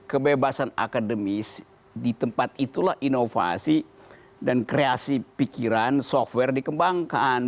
kebebasan akademis di tempat itulah inovasi dan kreasi pikiran software dikembangkan